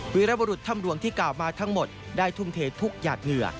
วิรบรุษถ้ำหลวงที่กล่าวมาทั้งหมดได้ทุ่มเททุกหยาดเหงื่อ